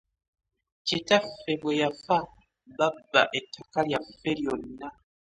Kitaffe bwe yafa, babba ettaka lyaffe lyonna.